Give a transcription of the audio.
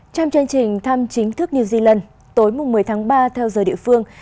trong chương trình thăm chính thức new zealand tối một mươi tháng ba theo giờ địa phương